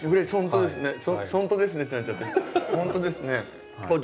そうですよね。